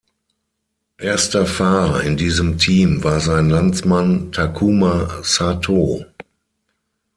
Erster Fahrer in diesem Team war sein Landsmann Takuma Satō.